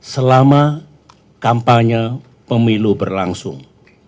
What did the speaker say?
selama kampanye pemilu berlangsung